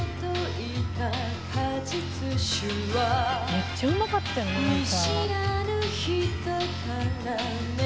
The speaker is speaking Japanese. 「めっちゃうまかったよね歌」